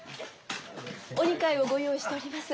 お二階をご用意しております。